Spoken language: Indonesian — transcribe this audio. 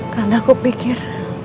karena aku pikir